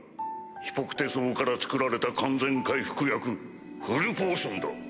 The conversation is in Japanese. ヒポクテ草から作られた完全回復薬フルポーションだ。